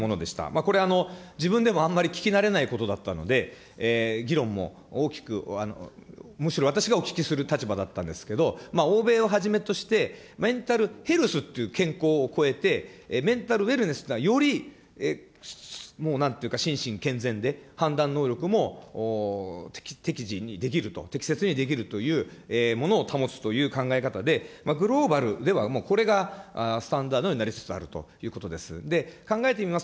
これ自分でもあんまり聞き慣れないことだったので、議論も大きく、むしろ私がお聞きする立場だったんですけれども、欧米をはじめとして、メンタルヘルスっていう健康をこえて、メンタルウェルネスっていうのはよりもうなんていうか心身健全で判断能力も適時にできると、適切にできるというものを試すという考え方で、グローバルではもうこれがスタンダードになりつつあるということであります。